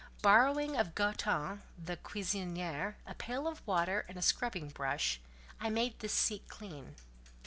Borrowing of Goton, the cuisinière, a pail of water and a scrubbing brush, I made this seat clean.